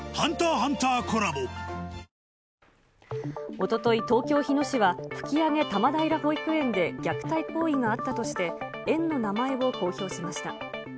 おととい、東京・日野市は、吹上多摩平保育園で虐待行為があったとして、園の名前を公表しました。